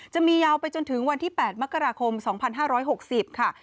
ยาวไปจนถึงวันที่๘มกราคม๒๕๖๐ค่ะ